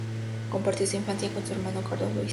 Compartió su infancia con su hermano Carlos Luis.